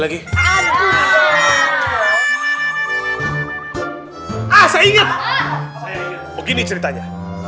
ah saya inget oh gini ceritanya